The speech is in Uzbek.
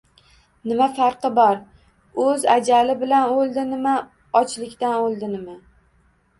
— Nima farqi bor, o‘z ajali bilan o‘ldi nima, ochlikdan o‘ldi nima?